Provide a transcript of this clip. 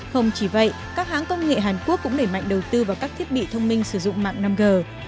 không chỉ vậy các hãng công nghệ hàn quốc cũng để mạnh đầu tư vào các thiết bị thông minh sử dụng mạng năm g